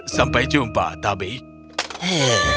sampai jumpa tabe